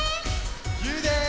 ゆうです！